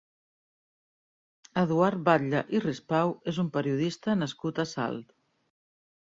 Eduard Batlle i Rispau és un periodista nascut a Salt.